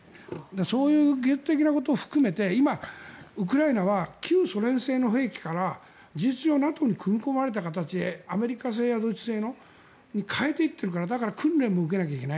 そういう技術的なことを含めて今、ウクライナは旧ソ連製の兵器から事実上ＮＡＴＯに組み込まれた形でアメリカ製やドイツ製に変えていっているからだから訓練も受けなきゃいけない。